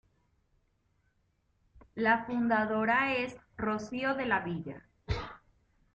La fundadora es Rocío de la Villa.